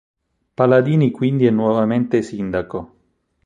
Paladini quindi è nuovamente sindaco.